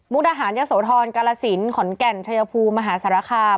มุณหารยะโสธรกรราศิลป์ขนแก่รชายภูมิหาสารคาม